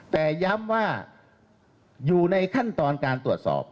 แต่ย้ำว่าอยู่ในขั้นตอนการตรวจสอบ